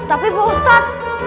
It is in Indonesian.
tapi pak ustadz